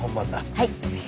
はい。